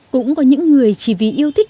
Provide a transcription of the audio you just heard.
cũng có những người chỉ vì yêu thích